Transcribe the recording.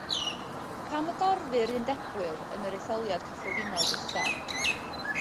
Pam y gorfu'r Undebwyr yn yr Etholiad Cyffredinol diwethaf?